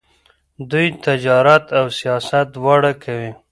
دوی تجارت او سیاست دواړه کوي.